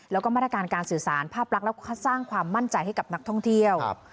แล้วก็มาตรการการสื่อสารภาพลักษณ์และสร้างความมั่นใจให้กับนักท่องเที่ยว